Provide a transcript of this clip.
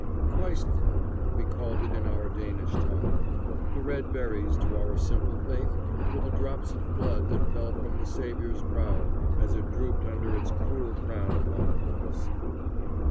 "Christ thorn" we called it in our Danish tongue. The red berries, to our simple faith, were the drops of blood that fell from the Saviour's brow as it drooped under its cruel crown upon the cross.